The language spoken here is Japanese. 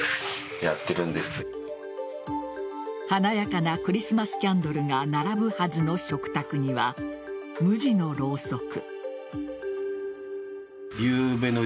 華やかなクリスマスキャンドルが並ぶはずの食卓には無地のろうそく。